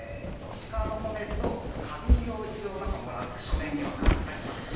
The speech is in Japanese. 鹿の骨と花瓶を一応なんかもらうって書面には書いてありました。